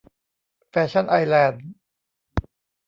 แฟชั่นไอส์แลนด์